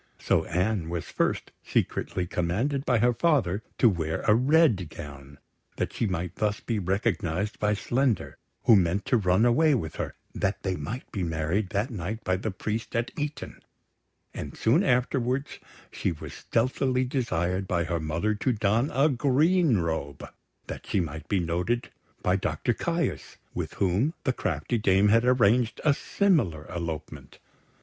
So Anne was first secretly commanded by her father to wear a red gown, that she might thus be recognised by Slender, who meant to run away with her, that they might be married that night by the priest at Eton; and soon afterwards she was stealthily desired by her mother to don a green robe, that she might be noted by Doctor Caius, with whom the crafty dame had arranged a similar elopement.